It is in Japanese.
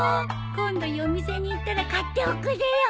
今度夜店に行ったら買っておくれよ。